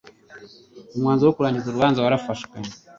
umwanzuro wo kurangiza urubanza warafashwe